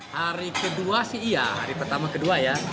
hari kedua sih iya hari pertama kedua ya